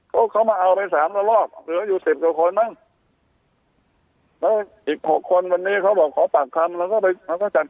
ไม่ต้องมาลงไม้ลงมือไม่ต้องมาให้สาว